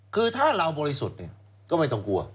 คือถ้าเราบริสุทธิ์ก็ไม่ต้องกลัว